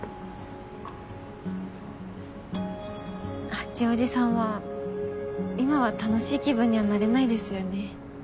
八王子さんは今は楽しい気分にはなれないですよね。